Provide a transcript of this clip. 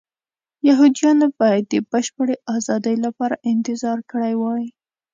یهودیانو باید د بشپړې ازادۍ لپاره انتظار کړی وای.